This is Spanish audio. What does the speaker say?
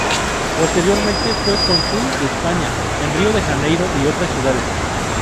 Posteriormente fue cónsul de España en Río de Janeiro y otras ciudades.